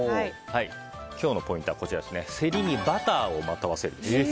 今日のポイントはセリにバターをまとわせるべし。